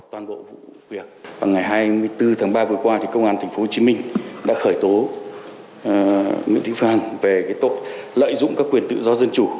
vào ngày hai mươi bốn tháng ba vừa qua công an tp hcm đã khởi tố nguyễn thị phan về lợi dụng các quyền tự do dân chủ